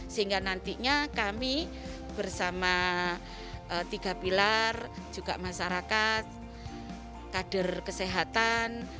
sehingga nantinya kami bersama tiga pilar juga masyarakat kader kesehatan